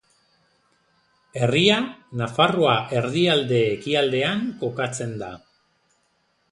Herria Nafarroa erdialde-ekialdean kokatzen da.